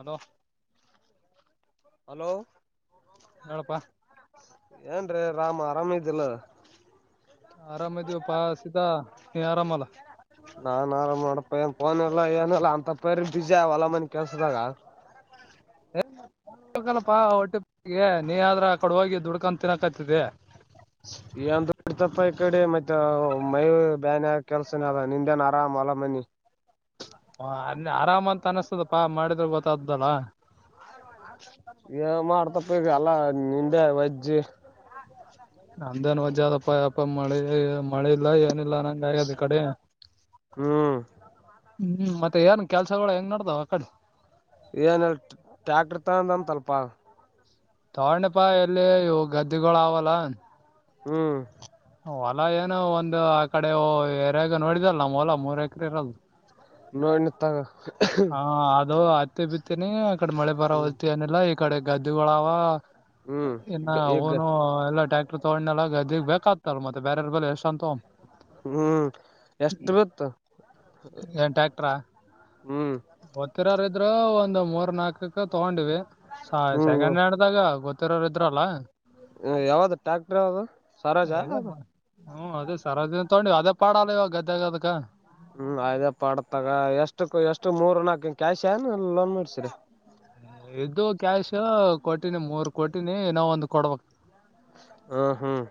Hello hello ಏನ್ರೀ ರಾಮ್ ಆರಾಮ ಇದಿಲ್ಲ ಆರಾಮ ಇದ್ದೀವಿ ಪ ಸೀತಾ ನೀ ಆರಾಮ ಅಲ್ಲ ನಾನ್ ಆರಾಮ್ ಮಾಡಪ್ಪ ಏನ್ ಫೋನ್ ಎಲ್ಲ ಏನಲ್ಲ ಅಂತಪ್ಪ್ರ ಬಿಜಿ ಹೊಲ ಮನಿ ಕೆಲ್ಸದಾಗ [unintelligible] ನಪ್ಪಾ ಹೊಟ್ಟಿ ನೀ ಅದರ ಆ ಕಡೆ ಹೋಗಿ ದುಡ್ಕೊಂಡ ತಿನ್ನಕತ್ತಿದ್ದಿ ಈ ಬಿತಪ್ಪ ಈ ಕಡೆ ಮತ್ತೆ ಮೈ ಬ್ಯನ್ ಕೆಲ್ಸನ ಅದ ನಿಂದೇನ್ ಆರಾಮ್ ಹೊಲ ಮನಿ ಹ ಅ ಆರಾಮ ಅಂತ ಅನಿಸ್ತದಪ್ಪಾ ಮಾಡಿದ್ರ ಗೊತ್ತಾದ್ದಲ್ಲ. ಏ ಮಾಡ್ತಪ್ಪ ಈಗ ಎಲ್ಲಾ ನಿಂದೆ ವಜ್ಜಿ ಹ ನಂದೇನು ವಜ್ಜ ಅದಪ್ಪ ಯಪ್ಪ ಮಳೆ ಮಳೆ ಇಲ್ಲ ಏನಿಲ್ಲ ನಂಗ ಆಗ್ಯದ ಈ ಕಡೆ ಹ್ಮ್ ಹ್ಮ್ ಮತ್ತೆ ಏನ್ ಕೆಲ್ಸಗಳ ಹೆಂಗ್ ನಡ್ದಾವ್ ಆ ಕಡೆ ಏನಲ್ ಟ್ಯಾಕ್ಟರ್ ತಗೊಂದೆ ತಲ್ಪ ತಗೊಂಡಪ್ಪಾ ಎಲ್ಲಿ ಇ ಗದ್ದೆಗಳು ಆವಾ ಆಲ್ಲ ಹ್ಮ್ ಹೊಲ ಏನು ಒಂದು ಆ ಕಡೆ ಎರ್ಯಾಗ ನೋಡಿದಲ್ಲ ನಮ್ಮ್ ಹೊಲ ಮೂರ್ ಎಕರೆ ಇರದು ನೋಡಿ ತಗ ಹಾ ಅದು ಹತ್ತಿ ಬಿತ್ತೇನಿ ಆ ಕಡೆ ಮಳೆ ಬರ ಹ್ಮ್ ಹೊತ್ತ ನಿಲ್ಲ ಈ ಕಡೆ ಗದ್ದಿಗಳಾವ ಹ್ಮ್ ಇನ್ನ ಈಗ ಅವನು ಎಲ್ಲ ಟ್ಯಾಕ್ಟರ್ ತೋಣ್ಣೆಲಾಗ ಗದ್ದಿಗ್ ಬೇಕಾಗತ್ತಲ್ಲ ಮತ್ತೆ ಬೇರೆರ ಬಲೇ ಎಷ್ಟ ಅಂತ ತಗೋ ಹ್ಮ್ ಎಷ್ಟು ಬಿತ್ತು ಹ್ಮ್ ಗೊತ್ತಿರರ ಇದ್ರ ಒಂದ್ ಮೂರ್ ನಾಲ್ಕಕ್ಕ ತಗೊಂಡಿವಿ. ಹ ಹ್ಮ್ ಸೆಕೆಂಡ್ ಹ್ಯಾಂಡ್ದಾಗ ಗೊತ್ತಿರೋರ್ ಇದ್ರಲ್ಲ. ಯಾವ್ದ ಟ್ಯಾಕ್ಟರ್ ಯಾವ್ದ ಸರೋಜಾ ಅದ ಹ್ಮ್ ಅದೇ ಸರವಾದಿನ ತಗೊಂಡ ಅದೇ ಪಾಡಾಲವ ಗದ್ದೆಗದಕ ಹ್ಮ್ ಅದ ಪಾಡತಗ ಎಷ್ಟು ಎಷ್ಟು ಮೂರ್ ನಾಕ ಕ್ಯಾಶ್ ಏನ ಲೋನ್ ಮಾಡಸಿರಿ ಹೌ ಇದ್ದವ ಕ್ಯಾಶ್ ಕೊಟಿನಿ ಮೂರ್ ಕೊಟಿನಿ ಇನ್ ಒಂದು ಕೊಡ್ಬೇಕ ಹ್ಮ್ ಹ್ಮ್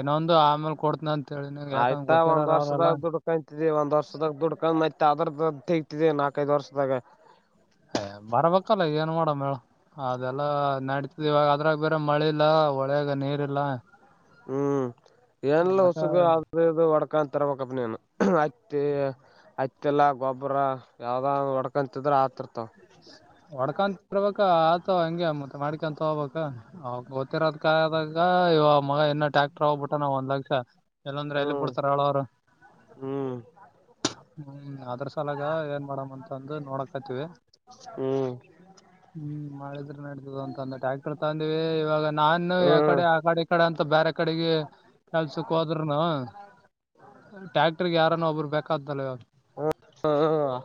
ಇನೊಂದು ಆಮೇಲೆ ಕೊಡತನ ಆಯ್ತಾ ಒಂದ್ ವರ್ಷದಾಗ ದುಡ್ಕಂತ ಒಂದ್ ವರ್ಷದಾಗ ದುಡ್ಕೊಂಡಯತ್ ಅದ್ರ ನಾಕ್ ಐದ ವರ್ಷದಾಗ ಏ ಬರ್ಬೇಕಲ್ಲ ಏನ್ ಮಾಡೋ ಮೇಳ ಅದೆಲ್ಲ ನಡತದ ಇವಾಗ ಅದ್ರಾಗ ಬೇರೆ ಮಳೆ ಇಲ್ಲ. ಹೊಳೆಯಾಗ ನೀರಿಲ್ಲಾ ಹ್ಮ್ ಏನಲ್ಲ ಮತ್ತೆ ಹೊಸಗು ಆದ ಒಡ್ಕತ ಅ ತರ್ಬೇಕಪ್ಪ ನೀನು ಹತ್ತಿ ಅಕ್ಕಿಲ್ಲಾ ಗೊಬ್ಬರ ಯಾವ್ದ ಹೊಡ್ಕಂತಿದ್ರ ಆತರ್ ಹೊಡ್ಕಂತರ್ಬೇಕ ಅದ್ ಹಂಗೆ ಮತ್ತೆ ಮಾಡಕೆಂತ ಹೋಗ್ಬೇಕ ಅವಾಗ ಗೊತ್ತಿರೋದ ಕದಾಗ ಇವ ಮಗ ಇನ್ನ ಟ್ಯಾಕ್ಟರ್ ಹೋಗ್ಬ ಕೊಟ್ಟನ ನಾವ್ ಒಂದ್ ಲಕ್ಷ ಇಲ್ಲಂದ್ರೆ ಎಲ್ಲಿ ಹ್ಮ್ ಕೊಡ್ತಾರ ಹೇಳ್ ಅವರು ಹ್ಮ್ ಹ್ಮ್ ಅದ್ರ ಸಲಾಗ ಏನ್ ಮಾಡೇಡಮ್ ಅಂತಂದು ನೋಡಕತಿವಿ. ಹ್ಮ್ ಹ್ಮ್ ಮಾಡಿದ್ರೆ ನಡತದ ಅಂತಂದ ಟ್ಯಾಕ್ಟರ್ ತಂದಿವವಿ ಇವಾಗ ನಾನು ಹ್ಮ್ ಯಕಡೆ ಆ ಕಡೆ ಕಡೆ ಅಂತ ಬೇರೆ ಕಡೆಗೆ ಕೆಲ್ಸಕ್ ಹೋದರುನು ಟ್ಯಾಕ್ಟರ್ಗೆ ಯಾರನ್ನೋ ಒಬ್ಬರು ಬೇಕಾತಲ್ಲ ಇವಾಗ್ ಹ್ಮ್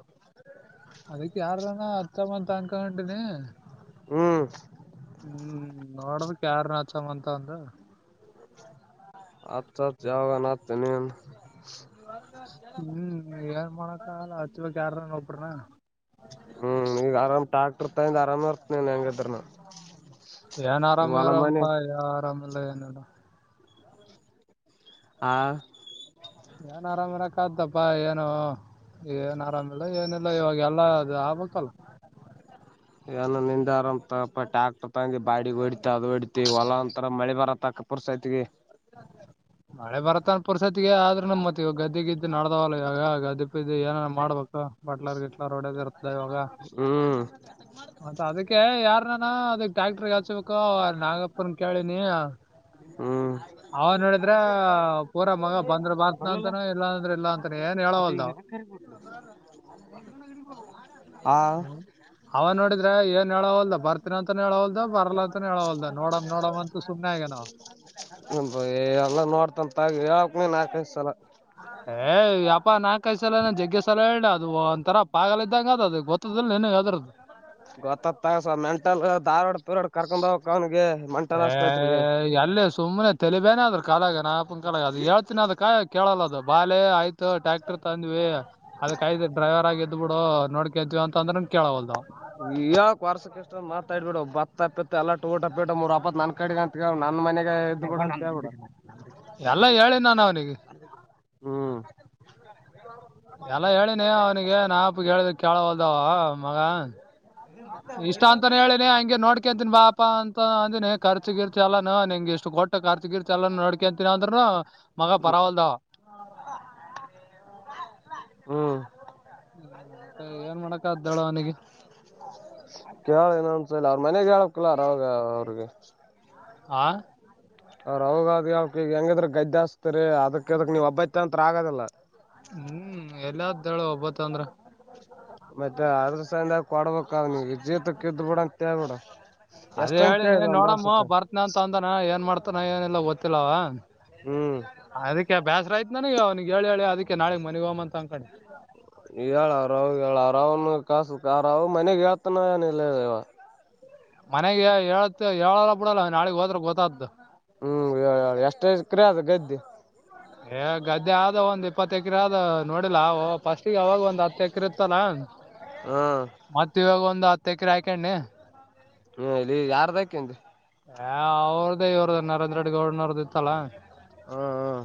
ಅದಕ್ಕೆ ಯಾರಾನ ಹಚ್ಚಮ್ ಅಂತ ಅನ್ಕಕೊಂಡೀನಿ ಹ್ಮ್ ಹ್ಮ್ ನೋಡಬೇಕ್ ಯಾರ್ ಹಚ್ಚಮ್ ಅಂತದ ಹಚ್ಚ ಹಚ್ಚ ಯಾವಾಗಣ ಹಚ್ಚ ನೀನು ಹ್ಮ್ ಏನ್ ಮಾಡಕಲ್ಲ ಹಚ್ವಬೇಕ ಯಾರನರ್ ಒಬ್ರನಾ ಹ್ಮ್ ಈಗ ಆರಾಮ ಕೃತಾಯ ಆರಾಮ ಇರ್ತ್ಯನ್ ಹೆಂಗ್ ಇದರು ನಾ ಏನ್ ಆರಾಮರಪಾ ಆರಾಮಿಲ್ಲ ಏನಡ ಆ ನನ್ ಆರಾಮ್ ಇರ ಕತಪ್ಪ ಏನು ಏನ್ ಆರಾಮಿಲ್ಲ ಏನಿಲ್ಲ ಇವಾಗ ಎಲ್ಲಾ ಅದು ಆಗ್ಬಕ್ಲ್ಲ ಏನೋ ನಿಂದ ಆರಾಮ್ ತಪ್ಪ ಟ್ಯಾಕ್ಟರ್ ತಗಿ ಬಾಡಿಗೆ ಹೊಿತ ಅದು ಹೊಡತಿ ಹೊಲ ಅಂತರ ಮಳಿ ಬರತ್ತಕರ್ ಸತೆಗೆ ಮಳೆ ಬರತ್ತಂ ಪರ್ಸತಿಗೆ ಆದ್ರೆ ನಮ್ಮ ಮತ್ತತ್ ಈವ ಗದ್ದೆೆಗೆ ಇದ್ದು ನಡ್ದಾವಲ್ಲ ಈವಾಗ ಗದ್ದೆ ಬಿದ್ದ್ದ ಏನ ಮಾಡ್ಬೇಕ ಬಟ್ಲರ್ಗಿಲ ಇರ್ತದೆ ಇವಾಗ ಹ್ಮ್ ಮತ್ತ ಅದಕ್ಕೆ ಯಾರ ನಾ ಅದ ಟ್ಯಾಕ್ಟ್ರಗ್ ಹಚ್ಬೇಕು ನಾಗಪ್ಪನ್ ಕೇಳಿನಿ ಹ್ಮ್ ಅವ ನೋಡಿದ್ರ ಪೂರಾ ಮಗ ಬಂದ್ರ ಬರ್ತನ ಬರ್ಲಲ್ಲ ಅಂತನ ಇಲ್ಲಾಂದ್ರ ಇಲ್ಲ ಅಂತನ ಏನ್ ಹೇಳವಲ್ದಾವ್ ಹಾ ಅವ ನೋಡಿದ್ರೆ ಏನು ಹೇಳೋವಲ್ಲದ ಬರ್ತೀನ ಅಂತನ ಹೇಳವಲ್ದ ಬರ್ಲ ಅಂತನ ಹೇಳವಲ್ ನೋಡಮ ನೋಡ ಅಂತ ಸುಮ್ಮನೆಗನ ಹ ನ ಎಲ್ಲ ನೋಡ್ತಂತಗ ಯಾವಕ್ ನೀನ್ ಆಕಸಲ ಏ ಯಪ ನಾ ಕಾಯಿಸಲಾನ ಜಗ್ಗೆಸಲ ಹೇಳ ಅದು ಒಂಂತರ ಪಾಗಲ ಇದ್ದಂಗ ಅದ ಅದು ಗೊತ್ತದಿಲ್ಲ ಏನ ಯಾವ್ದದಾರ್ದು ಗೊತ್ತತ್ತಗಸ ಮೆಂಟಲ್ ಾರ್ಾಡ್ ತೂರಾಡ್ ಕರ್ಕೊಂಡ್ ಹೋಗಕ ಅವನ್ಿಗೆ ಮೆಂ ಏ ಅಲ್ಲೇ ಸುಮ್ಮ್ನೆ ತಲಿಬೇನೆ ಅದ್ರ ಕಾಲಾಗ ನಾಪನ್ ಕಾಲಾಗ ಅದ ಹೇಳ್ತೀನಿ ಅದ ಕಾಯ ಕೇಳಲ್ಲ ಬಾಾಲೆ ಆಯ್ತು ಟ್ಯಾಕ್ಟರ್ ತಂದ್ ಅದಕ್ಾಯಯ್ ಡ್ರೈರ್ ಆಗಿ ಎದ್ ಬಿಡು ನೋಡ್ಕದ್ವಿ ಅಂತ ಅಂದ್ರ ಯಾಕ್ ವಾರಸಕ್ಕೆ ಎಷ್ಟ ಮಾತಾಡ್ಬ ಬಿಡು ಬತ್ತ ಅಪ್ಪಿತ್ ಎಲ್ಲ ಟೋಟ್ಟಪ್ಪಿ ಮೂರ್ ಅಪ್ಪತ್ ನನ್ ಕಡೆಗ ಅಂತ ನನ್ ಮನೆಗೆ ಇದ್ ಬಿಡ ಅಂತ ಹೇಳ್ಬಿಡ ಎಲ್ಲ ಹೇಳಿ ನಾನು ಅವನಿಗೆ ಹ್ಮ್ ಎಲ್ಲ ಹೇಳಿನಿ ಅವನಿಗೆ ನಾಪ ಹೇಳಿದ ಕೇಳ ಹೊಲ್ದಾವ ಮಗ ಇಷ್ಟ ಅಂತಾನ ಹೇಳಿನಿ ಹಂಗೆ ನೋಡ್ಕಂತನ್ಿ ಬಾಪಾ ಅಂತ ಅಂದಿನಿ ಖರ್ಚಗ ಇರ್ತ ಅಲ್ಲಾನ ನಿ ಎಷ್ಟು ಕೊಟ್ಟ ಕಾರ್ತಿಕೀರ್ ಚಲನ ನಡಕಂತಿನನ ಅಂದ್ರನ ಮಗ ಪರವಲ್ದಾವ ಹೌ ಹ್ಮ್ ಹ್ಮ್ ಮತ್ತೆ ಏನ್ ಮಾಡಕದ್ದಾಳ ಅವನಿಗೆ ಕೇಳ ನಂದಸಲ ಅವ್ರ ಮನೆಗ್ ಹೇಳಕ್ಲಾರ ಅವಾಗ ಅವ್ರಿಗೆ ಆ ಅವ್ರ ಅವೋಗ ಅ್ ಅವಕಗ ಹೆಂಗಿದ್ರೆ ಗದ್ದೆ ಹಸ್ತರಿ ಅದಕ್ಕೆ ಅದಕ್ ನೀವು ಒಬ್ಬೈಐತ ಅಂತತ್ ಆದಲ್ಲ ಹ್ಮ್ ಎಲ್ಲಾದ್ದಳು ಒಬ್ಬತ್ತ ಅಂದ್ರ ಮತ್ತೆ ಅರ್ಧ ಸಾಯಂದ ಕೊಡ್ಬೇಕ ನಿ ಜೀತಕ್ಕೆ ಇದ್ ಬಿಡ ಅಂತೇಳ್ಬ ಬಿಡ ಅದೇ ಹೇಳಿ ನೀ ನೋಡಮ್ಮ ಬರ್ತನ ಅಂತ ಅಂದನ ಏನ್ ಮಾಡ್ತಾನ ಏನಲ್ಲ ಗೊತ್ತಿಲ್ಲವ ಹ್ಮ್ ಅದಕ್ಕೆ ಬ್ಯಾಸ್ರ ಆಯ್ತ್ು ನನಗ ಅವನಿಗೆ ಹೇಳಿ ಹೇಳಿ ಅದಕ್ಕೆ ನಾಳೆಗ್ ಮನೆ ಹ್ಂತ ಳ್ ಅವ್ರಾವ ಹೇಳಳ್ ಅವ್ರ ಅವನು ಕ ಸುಕಾರ ಮನೆಗೆತನ ಯ ನಿಲ್ಲವಾ ಮನೆಗೆ ಹೇಳತ್ ಹೇಳಲ್ಲ ಬಿಡಲ್ಲ ನಾಳಗ್ ಹೋದ್ರೆ ಗೊತ್ತಾದ್ದು ಹ್ಮ್ ಎಷ್ಟೇ ಕ್ರ ಅದು ಗಗೆದ್ದೆ ಏ ಗದ್ದೆ ಆದ ಒಂದ್ ಇಪ್ಪತ್ತು ಎಕರೆ ಆದ ನೋಡಿಲ್ಲ ಫಸ್ಟಿಗೆ ಅವಾಗ ಒಂದ್ ಹತ್ತು ಎಕರೆ ಇತ್ತತಲ್ಲ ಹ್ಮ ಮತ್ತ ಇವಾಗ ಒಂದು ಹತ್ತ ಎಕರೆ ಹಾಕಣ್ಣಿ ಹ್ಮ ಇಲ್ಲಿ ಯಾರದಕ ಹ ಅವ್ರದೇ ಇವ್ರದ ನರೇಂದ್ರ ರಡ್ ಗೌಡನವ್ರದ್ದ ಇತ್ತಲ್ಲ ಹಾ ಹ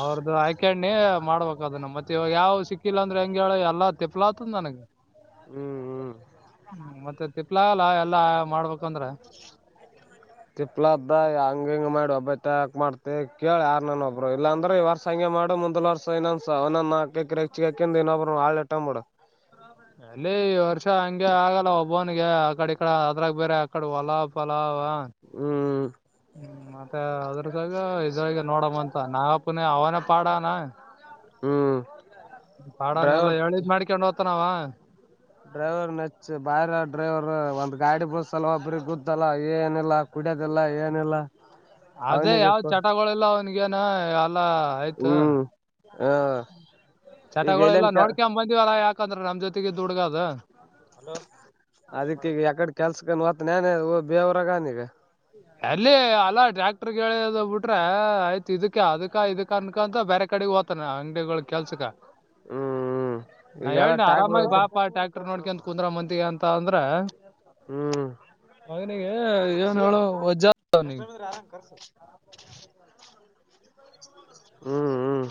ಅವ್ರ್ದ ಆಯ್ಕೆ ಅಣ್ಣೆ ಮಾಡ್ಬೇಕದು ನ ಮತ್ತೆ ಯಾವ್ ಸಿಕ್ಕಿಲ್ಲ ಅಂದ್ರೆ ಹೆಂಗ ಹೇಳ ಎಲ್ಲಾ ತಿಪ್ಲಾತ ನಾನಗೆ ಹ್ಮ್ ಹ್ಮ್ ಹ್ಮ ಮತ್ತ ತಿಪ್ಪಲಾಗಲ್ಲ ಎಲ್ಲಾ ಮಾಡ್ಬೇಕಂದ್ರ ತಿಪ್ಪಲಾತದ ಆ ಹಂಗ ಹಿಂಗ ಮಾಡಿ ಒಬ್ಬತ ಯಾಕ್ ಮಾಡ್ತಿ ಕೇಳ ಯಾರ ನಾನ ಒಬ್ಬರ ಇಲ್ಲಾಂದ್ರೆ ಈ ವರ್ಷ ಹಂಗೆ ಮಾಡ ಮುಂದ್ ವರ್ಷ ಏನ್ನಂಧ ಅವನೊಂದ ನಾಕ ಎಕರೆ ಹೆಚ್ಚಗಾಕಂದ ಇನೊಬ್ರು ಹಾಳ ಇಟ್ಟಂಬೀಡು ಲ್ಲೇ ಈ ವರ್ಷ ಹಂಗೆ ಆಗಲ್ಲ ಒಬ್ಬವನಿಗೆ ಆಕಡ ಈ ಕಡಿ ಅದ್ರಾಗ ಬೇರೆ ಆಕಡ ಹೊಲ ಪಲಾ ಹ್ಮ್ ಹ್ಮ ಮತ್ತೆ ಸಾಗ ಇದ್ರಾಗ ನೋಡಮ್ಮ ಅಂತ ನಾಗಪ್ಪನ ಅವನೇ ಪಾಡಾನ ಹ್ಮ್ ಪಾಡನೆೆಲ್ಲಾ ಡ್ರೈವರ್ ಹೇಳಿದ್ ಮಾಡ್ಕಂಡೆ ಹ್ತೊನಾವ ಡ್ರೈವರ್ ನೆಚ್ಚ ಬಾರಿ ಆನ್ ಡೈವರ್ ಒಂದ್ ಗಾಡಿ ಬುಳಸಲ್ ಒಬ್ರಿಗೆ ಗೊದಲ್ಲ ಏನಿಲ್ಲ ಕುಡ್ಯದಿಲ್ಲ ಏನಿಲ್ಲ ಅದೇ ಅವನಿಗೆ ಯಾವ್ ಚಟಗೊಳಿಲ್ಲ ಅವನಗೇನ ಎಲ್ಲಾ ಆಯ್ತು ಹ್ಮ್ ಈಗ ಚಟಗೊಳಿಲ್ಲ ಎಲ್ಲನ್ ಕೆ ನೋಡ್ಕ ಬಂದಿವಲ್ಲ ಯಾಕಂದ್ರ ನಮ್ ಜೊತಿಗಿದ್ದ ಹುಡುಗ ಅದು ಅದಕ್ಕೀಗ ಯಕಡೆ ಕೆಲ್ಸಕನ ಹೊತ್ತಾನೇನ ಬೇವುರಗಾನಿಗ ಅಲ್ಲಿ ಅಲ್ಲ ಡ್ರಾಗ ದ ಬಿಟ್ರ ಆಯ್ತ ಇದಕ್ಕ ಅದಕ್ಕ ಇದಕ್ಕ ಅನ್ಕಂತ ಬೇರೆ ಕಡಿಗ ಹೊತ್ತಾನ ಅಂಗಡಿಗಳ ಕೆಲ್ಸಕ ಹ್ಮ್ ಹ್ಮ್ ನಾ ಈಗೆಲ್ಲ ಹೇಳಿನ ಆರಾಮಾಗಿ ಬಾ ಟ್ಯಾಕ್ಟರ್ ಪಾಟಾ ಟ್ರಾಕಟರ ನೋಡ್ಕಂತ ಕುಂದ್ರ ಮಂತಿಗೆ ಅಂತ ಅಂದ್ರ ಹ್ಮ್ ಮಗನಿಗಿ ವಜಾತದವನಿಗ ಹ್ಮ್ ಹ್ಮ್ ಹ್ಮ್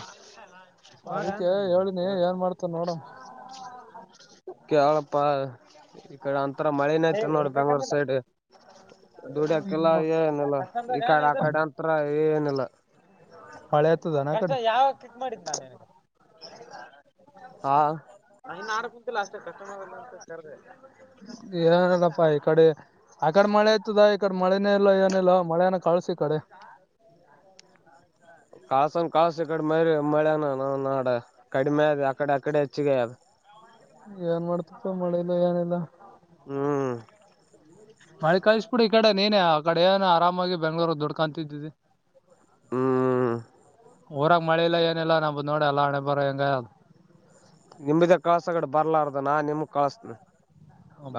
ಅದಕ್ಕೆ ಹೇಳಿನಿ ಏನ್ ಮಾಡ್ತಾನ ನೋಡಮ್ ಕೆಳಪ್ಪ ಈ ಕಡಿ ಅಂತರ ಮಳಿನೆ ಅತೆದ ನೋಡ ಬೆಂಗ್ಳೂರ್ ಸೈಡ್ ದುಡ್ಯಾಕಿಲ್ಲ ಏನಿಲ್ಲ ಈ ಕಡೆ ಆ ಕಡೆ ಅಂತ್ರ ಏನಿಲ್ಲ ಮಳಿ ಆತದನ ಅ ಕಡಿ [unintelligible] ಆ ಮೈ ನಾರ್ಕ್ ಕುಂತಿಲ್ಲ ಅಷ್ಟೇ [unintelligible] ಏನಿಲ್ಲಪ್ಪಾ ಈ ಕಡಿ ಆಕಡಿ ಮಳಿ ಅತ್ತೆದ ಮಳೆನೆ ಇಲ್ಲ ಏನಿಲ್ಲೊ ಮಳೆನ ಕಳ್ಸ ಈ ಕಡಿ ಕಳಸನ ಕಳಸ ಇ ಕಡಿ ಮಳಿ ಮಳ್ಯಾನ ನೌನ ನಾಡ ಕಡಿಮ ಆಗ್ಯದ ಅಕಡೆ ಅಕಡೆ ಹೆಚ್ಚಿಗ್ಯಾಗದ ಏನ್ ಮಾಡ್ತಿಪಾ ಮಳಿ ಇಲ್ಲ ಏನಿಲ್ಲ ಹ್ಮ್ ಮಳೆ ಕಳಿಸಬಿಡು ಈ ಕಡೆ ನೀನೇ ಆ ಕಡೆ ಏನ ಆರಾಮಾಗಿ ಬೆಂಗ್ಳೂರ್ ದುಡ್ಕಂತಿತ್ತಿದ್ದಿ ಹ್ಮ್ ಊರಾಗ ಮಳಿ ಇಲ್ಲ ಏನಿಲ್ಲ ನಂಬ್ದ ನೋಡ ಅಲ್ಲ ಹಣೆಬರಹ ಹೆಂಗ ಅಗ್ಯಾದ ನಿಂಬದೆ ಕಳ್ಸ ಆಕಡೆ ಬರ್ಲಾರ್ದ ನಾ ನಿಮಗ ಕಳ್ಸತ್ತಿನಿ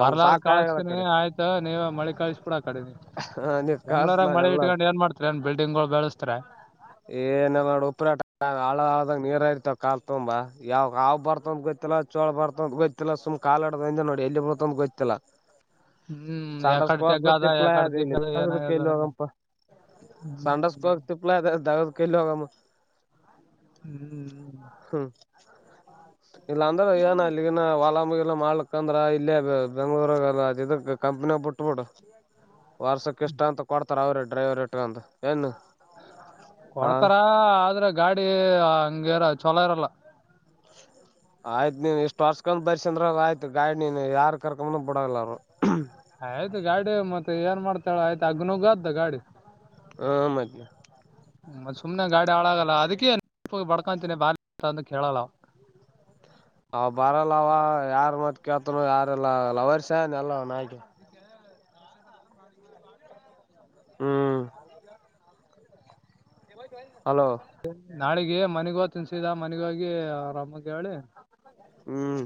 ಬರ್ಲಾರ್ದ ಕಳಿಸತೀನಿ ಆಯ್ತಾ ನೀವ ಮಳಿ ಕಳಸ್ ಬೀಡಿ ಅ ಕಡಿ ಹ ನೀವ್ ಕಳ್ಸ ಬೆಂಗ್ಳೂರಾಗ ನಾನ ಮಳಿ ಎಲ್ಲ ಇಟ್ಕೊಂಡು ಏನ್ ಮಾಡ್ತಾರಿ ಏನ್ ಬಿಲ್ಡಿಂಗ್ ಗಳು ಬೆಳೆಸ್ತಾರೆ ಏನ ನೋ ಉಪ್ರಟ ಆಳ ಆಳದಾಗ ನೀರ ಇರ್ತವ ಕಾಲ ತುಂಬಾ ಯಾವಾಗ ಹಾವ್ ಬರ್ತಂದ ಗೊತ್ತ ಗೊತ್ತಿಲ್ಲ ಚೋಳ ಬರ್ತ ಗೊತ್ತಿಲ್ಲ ಸುಮ್ ಕಾಲಡಿಂದ ಒಂದೆ ನೋಡ ಎಲ್ಲಿ ಬರ್ತಂತ ಗೊತ್ತಿಲ್ಲ ಹ್ಮ್ ಸಂಡಸ್ಕ ಯಕಡೆ ಜಗ್ಗ ಹೊಗಕ್ಲ ಅದ ತಿಪ್ಪಲ ಯಕಡೆ ಅಗ್ಯಾದ ಇಲ್ ದಿಬ್ಬದ ದಗಧಕ್ಕ ಏನಾಗ್ಯದ ಎಲ್ಲಿ ನಂಗ. ಹೋಗಂಪ ಸಂಡಾಸಕೊಗಕ ತಿಪ್ಪಲಾಗೆದ ದಗದಕ ಎಲ್ಲ ಹೋಗಮ್ಮ ಹ್ಮ್ ಹ್ಮ ಇಲ್ಲಾಂದ್ರ ಏನ್ ಇಲ್ಲಿಗಿನ ಹೊಲ ಇಲ್ಲ ಮಾಡ್ಲಿಕ ಅಂದ್ರ ಇಲ್ಲೇ ಬೆಂಗ್ಳೂರ ಅದ ಇದ್ದಕ ಕಂಪ್ನಿಗ ಬಿಟ್ ಬಿಡು ವರ್ಷಕ್ಕ ಇಷ್ಟ ಅಂತ ಕೊಡ್ತಾರ ಅವ್ರ ಡ್ರೈವರ್ ಇಟಗಂತ ಏನು ಹಾ ಕೊಡ್ತಾರ ಆದ್ರೆ ಗಾಡಿ ಹಂಗೆರ ಚೊಲೋ ಇರಲ್ಲ [inaudible] ಆಯ್ತು ನೀವ್ ಇಷ್ಟ್ ವರ್ಸ್ಕೊಂಡ್ ಬರ್ಸ ಅಂದ್ರ ಆಯ್ತು ಗಾಡ್ ನೀನ್ ಯಾರ್ ಕರ್ಕೊಂಬಂದ್ ಬಿಡಲ್ಲ ನಾನು ಆಯ್ತು ಗಾಡಿ ಮತ್ತೆ ಏನ್ ಮಾಡ್ತಾಳ ಆಯ್ತು ಅಗ್ನಗ್ಗ್ದ ಗಾಡಿ ಹ ಮದ ಮ ಸುಮನೆ ಗಾಡಿ ಹಾಳಾಗಲ್ಲ ಅದಕ್ಕೆೇ ಬಡ್ಕೊಂತೀನಿ ಬಾ ಅಂತ ಕೇಳಲ್ಲ ಅವ ಬರಲ್ಲ ಅವ ಯಾರ್ ಮತ್ ಕೇಳ್ತನ ಯಾರಲ್ಲ ಲವರ್ಸನ್ ಎಲ್ಲ ನಾಯಿ ಹ್ಮ್ ಹಲೋ ನಾಳಿಗೆ ಮನೆಗ ತಿನ್ಸಿದ ಮನಗೋಗಿ ಆರಾಮಗೆ ಹೇಳಳಿ ಹ್ಮ್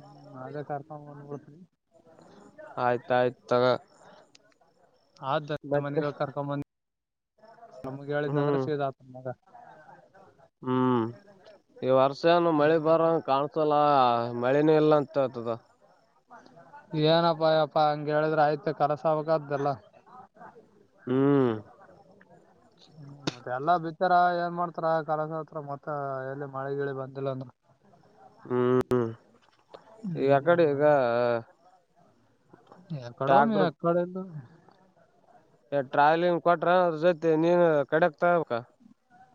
ಹ್ಮ್ ಅದೇ ಕರ್ತವು ಅನ್ಬತಿ ಆಯ್ತಾಯಯ್ತು ತಗ ಆದ ಮತ್ತೆ ಮನೆಗ ಕರ್ಕೊಂಡಂದ ನಮ್ಗ್ ಹೇಳಿದ್ನಂದ್ರೆ ಹ್ಮ್ ಸೀದ್ ಆತ ಮಗ ಹ್ಮ್ ಈ ವರ್ಷನು ಮಳೆ ಬರಂಗ ಕಾಣಸಲ್ಲ ಹ ಮಳೆನ ಎಲ್ಲಾ ಅಂತ ಆತದ ಏನಪ್ಪ ಅಯ್ಯಪ್ಪಾ ಹಂಗಗೆ ಹೇಳಿದ್ರೆ ಆಯ್ತು ಕರಸವಕದ್ದಲ್ಲ ಹ್ಮ್. ಮತ್ತೆ ಎಲ್ಲಾ ಬಿತ್ತಾರ ಏನ್ ಮಾಡ್ತಾರ ಕೆಲಸ ಹತ್ರ ಮತ್ತ ಎಲ್ಲಿ ಮಳೆ ಗಿಳಿ ಬಂದಿಲ್ಲ ಅಂದ್ರ. ಹ್ಮ್ ಈಗ ಅಕ್ಕಡೆ ಈಗ. ಹ್ಮ್ ಎಡೋ ಮ್ ಟ್ಯಾಕ್ಟರ್ ಎಕ್ಕಡೆ ಎಲ್ಲ. ಟ್ರಾವೆಲಿಂಗ್ ಕೊಟ್ರ ಅ ಜೊತೆ ನೀನು ಕಡೆಕ್ ತಬೇಕ.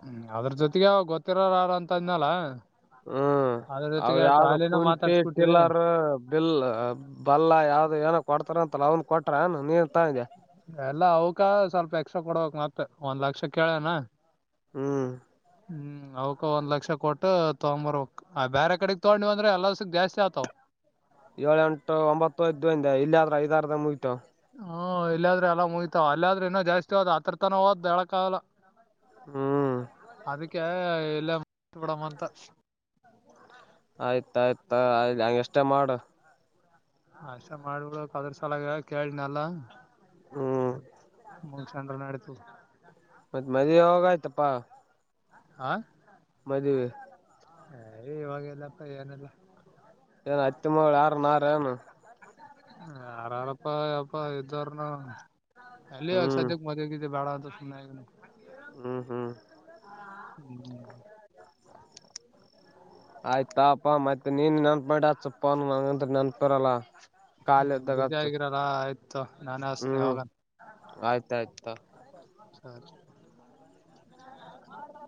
ಹ್ಮ ಅದ್ರ ಜೊತೆಗೆ ಅವ ಗೊತ್ತಿರೋ ಯಾರ ಅಂತ ಇದ್ನಲ್ಲ. ಹ್ಮ. ಅವ ಯಾವ್ದ ಕುಂಟಿ ಮಾತಾಡ್ಸ್ಬಿಟ್ಟಿವಿ ಟಿಲ್ಲರ್ ಬಿಲ್ ಬಲ್ಲ ಯಾವ್ದ ಏನ ಕೊಡ್ತಾರ ಅಂತಲ್ಲ ಅವ್ನ್. ಕೊಟ್ರ ನೀ. ಎಲ್ಲ ಅವ್ಕ ಸ್ವಲ್ಪ ಎಕ್ಸ್ಟ್ರಾ ಕೊಡಬೇಕಕ್ ಮತ್ತ ಒಂದ್ ಲಕ್ಷ ಕೇಳನಾ. ಹ್ಮ್ ಹ್ಮ್. ಅವಕ ಒಂದ್ ಲಕ್ಷ ಕೊಟ್ಟ ತೊಗೊಂಬರ್ವಕ್ ಆ ಬೇರೆ ಕಡೆಗ್ ತಗೊಂಡಿವವಿ ಅಂದ್ರೆ ಎಲ್ಲಸ ಜಾಸ್ತಿ ಆತಾವ. ಏಳ ಎಂಟು ಒಂಬತ್ತು ಐ್ದು ಇಲ್ಲಿ ಆದ್ರ ಐದಾರದ ಮುಗತು ಹ್ಮ ಇಲ್ಲಾದ್ರೆ ಎಲ್ಲ ಮುಯ್ತಾವ ಅಲ್ಲಾದ್ರೆ ಇನ್ನ ಜಾಸ್ತಿ ಹೋದ್ ಆತ್ರ ತನ ಹೋದ್ ಹೇಳಕ ಆಗಲ್ಲ. ಹ್ಮ್ ಅದಕ್ಕೆ ಎಲ್ಲ ಬಿಡಂತ. ಆಯ್ತಾಯಯ್ತಯ್ ಹಂಗ ಎಷ್ಟೇ ಮಾಡು. ಆಸ ಮಾಡಬ ಅದ್ರ ಸಲ ಕೇಳನಲ್ಲ. ಹ್ಮ್ ಚಂದ್ರನಾಡತು. ಮತ್ತತ್ ಮದೆ ಹೋಗ ಆಯ್ತಪ್ಪಾ. ಆ. ಮದುವೆ. ಹಯ ಇವಾಗಲ್ಲಪ್ಪ ಏನೆಲ್ಲಾ. ಏನು ಹತ್ತಿ ಮಳ ಯಾರ ನಾರ ಏನು. ಯಾರಾರಪ್ಪ ಯಪ್ಪಾ ಇದ್ದಾರ್ನು ಅಲ್ಲಿ ಯಾಗ ಹ್ಮ್ ಸದ್ಯಕ್ ಮದ್ಗ. ಬಾದುುಗ. ಹ್ಮ್ ಹ್ಮ್. ಹ್ಮ್ ಆಯ್ತಾಪಾ ಮತ್ತೆ ನೀನ್ ನೆನ್ಪ ಮಾಡ ಚುಪ್ಪ ನಂಗಂತ ನೆನ್ಪಿರಲ್ಲ. ಖಾಲಿ ಹ ಇದ್ದಾಗ ಬುಸ ಹಚ್ಚು ಆಗಿರಲ್ಲ ಆಯ್ತ. ನಾನು ಆಸ್ ಹ್ಮ್ ಹೋಗ ಆಯ್ತಾಯ್ತಾ ಸರಿ. ಹ ಮಾಡಬ.